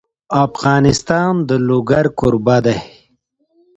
افغانستان د لوگر کوربه دی.